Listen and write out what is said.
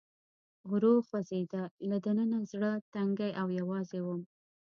ورو خوځېده، له دننه زړه تنګی او یوازې ووم.